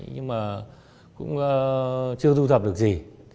nhưng mà cũng chưa thu thập được gì